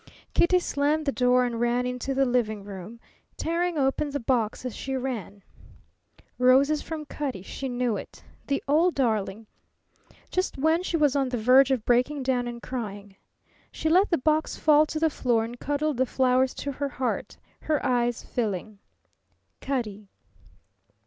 Kitty slammed the door and ran into the living room, tearing open the box as she ran. Roses from Cutty; she knew it. The old darling! Just when she was on the verge of breaking down and crying! She let the box fall to the floor and cuddled the flowers to her heart, her eyes filling. Cutty.